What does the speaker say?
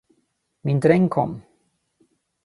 Min dräng kom.